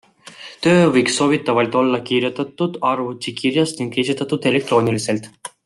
Töö võiks soovitavalt olla kirjutatud arvutikirjas ning esitatud elektrooniliselt.